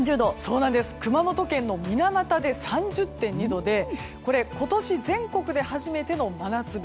熊本県の水俣で３０．２度でこれ、今年全国で初めての真夏日。